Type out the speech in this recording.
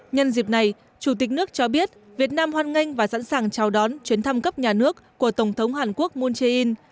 nhân dịp này chủ tịch nước cho biết việt nam hoan nghênh và sẵn sàng chào đón chuyến thăm cấp nhà nước của tổng thống hàn quốc moon jae in